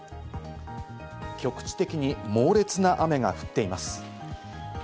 局地的に猛烈な雨が降っています。